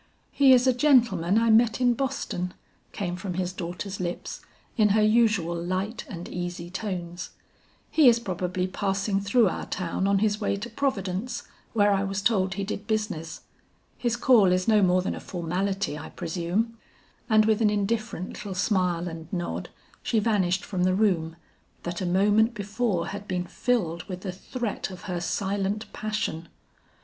"'He is a gentleman I met in Boston,' came from his daughter's lips, in her usual light and easy tones. 'He is probably passing through our town on his way to Providence, where I was told he did business. His call is no more than a formality, I presume.' And with an indifferent little smile and nod, she vanished from the room, that a moment before had been filled with the threat of her silent passion.